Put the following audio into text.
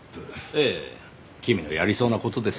ええ君のやりそうな事です。